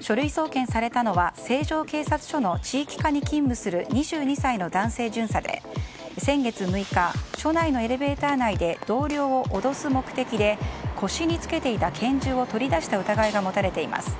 書類送検されたのは成城警察署の地域課に勤務する２２歳の男性巡査で先月６日署内のエレベーター内で同僚を脅す目的で腰につけていた拳銃を取り出した疑いが持たれています。